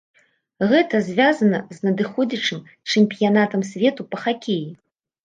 Гэта звязана з надыходзячым чэмпіянатам свету па хакеі.